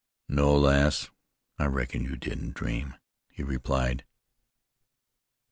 "No, lass, I reckon you didn't dream," he replied.